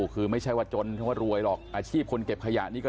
คือไม่ใช่ว่าจนทั้งว่ารวยหรอกอาชีพคนเก็บขยะนี่ก็